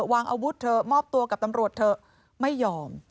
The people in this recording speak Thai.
วางอาวุธเถอะมอบตัวกับตำรวจเถอะไม่ยอม